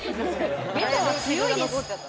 ベタは強いです。